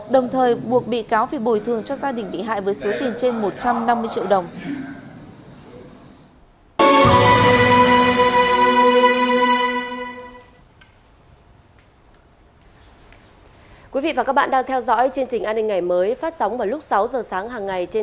đồng thời buộc bị cáo phải bồi thường cho gia đình bị hại với số tiền trên một trăm năm mươi triệu đồng